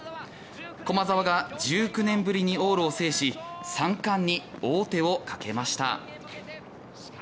駒澤が１９年ぶりに往路を制し三冠に王手を懸けました。